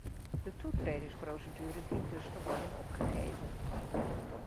De toetredingsprocedure dient dus te worden opgegeven.